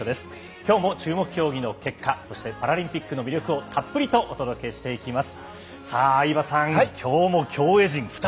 きょうも注目競技の結果、そしてパラリンピックの魅力をたっぷりとお届けして参ります。